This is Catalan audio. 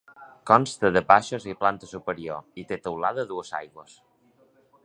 Consta de baixos i planta superior, i té teulada a dues aigües.